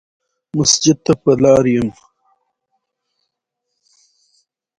آیا د ایران کلتوري نفوذ پراخ نه دی؟